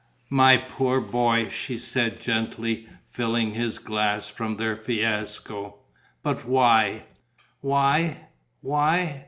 "My poor boy," she said, gently, filling his glass from their fiasco, "but why?" "Why? Why?